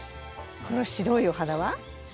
この白いお花は？